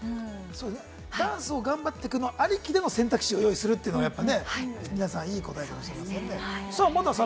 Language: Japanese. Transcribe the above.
ダンスを頑張っていくのは、ありきでの選択肢を用意するというのはね、皆さんいい答えかもしれませんね。